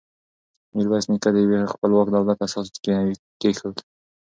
میرویس نیکه د یوه خپلواک دولت اساس کېښود.